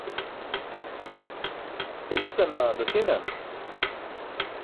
Hilesana dasi̇nan?